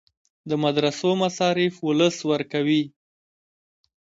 د مدرسو مصارف ولس ورکوي